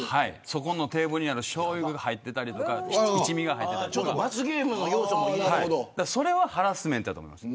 そこのテーブルにあるしょうゆが入ってたりとか一味が入っていたりとか、それはハラスメントだと思います。